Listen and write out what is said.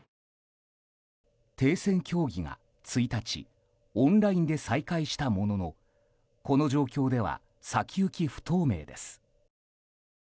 停戦協議が１日オンラインで再開したもののこの状況では先行き不透明です。